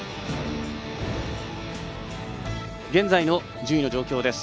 現在の順位の状況です。